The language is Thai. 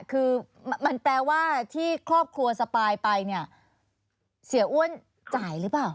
คือมันแปลว่าที่ครอบครัวสปายไปเนี่ยเสียอ้วนจ่ายหรือเปล่า